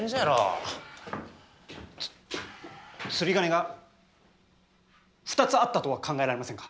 釣り鐘が２つあったとは考えられませんか？